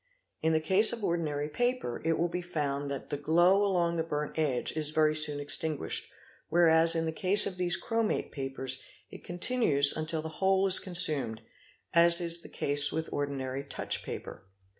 In the case of ordinary paper, it will be found that the glow along the burnt edge is very soon extinguished, whereas in the case of these chromate papers it continues until the whole is con sumed, as is the case with ordinary touch paper.